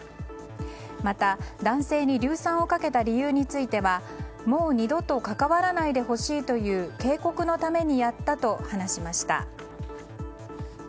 また、男性に硫酸をかけた理由についてはもう二度と関わらないでほしいという警告のためにやったと話しました。